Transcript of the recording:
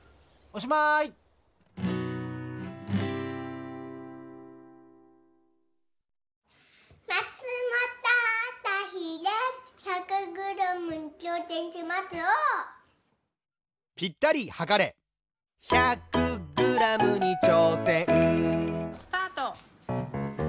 おっ！・スタート！